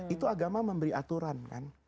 itu agama memberi aturan kan